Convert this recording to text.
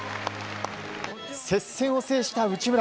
接戦を制した内村。